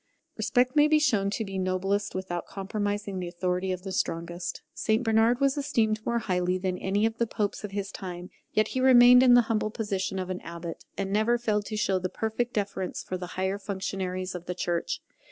Respect may be shown to be noblest without compromising the authority of the strongest. St Bernard was esteemed more highly than any of the Popes of his time; yet he remained in the humble position of an abbot, and never failed to show the most perfect deference for the higher functionaries of the Church.